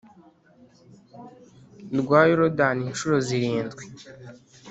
rwa Yorodani incuro zirindwi